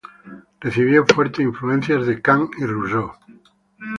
Recibió fuertes influencias de Kant y Rousseau.